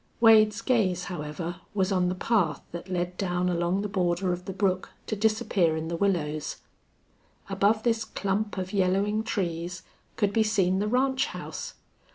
Wade's gaze, however, was on the path that led down along the border of the brook to disappear in the willows. Above this clump of yellowing trees could be seen the ranch house.